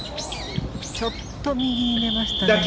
ちょっと右に出ましたね。